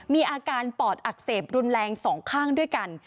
มีอาการปอดอักเสบรุนแรงสองข้างด้วยกัน